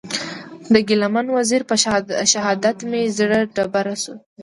د ګیله من وزېر په شهادت مې زړه ډېر بد سو.